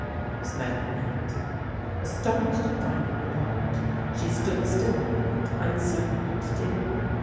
It was Madelinette. Astonished at finding it locked, she stood still a moment uncertain what to do.